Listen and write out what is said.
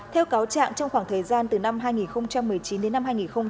theo cáo trạng trong khoảng thời gian từ năm hai nghìn một mươi chín đến năm hai nghìn hai mươi